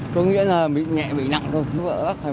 có nghĩa là nhẹ bị nặng thôi